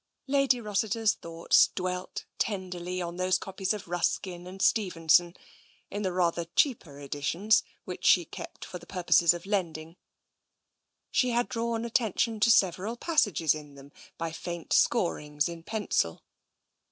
Lady Rossiter's thoughts dwelt tenderly on those copies of Ruskin and Stevenson, in the rather cheaper editions, which she kept for purposes of lending. She had drawn attention to several passages in them by faint scorings in pencil.